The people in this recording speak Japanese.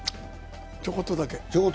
ちょこっとだけ。